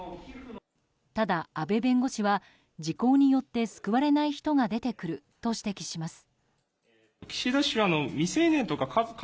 ただ阿部弁護士は、時効によって救われない人が出てくると指摘します。